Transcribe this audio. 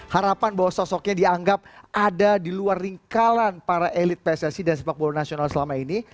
harapan bahwa sosoknya dianggap ada di luar ringkalan para elit pssi dan sepak bola nasional selama ini